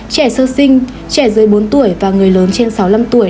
trẻ sơ sinh trẻ dưới bốn tuổi và người lớn trên sáu mươi năm tuổi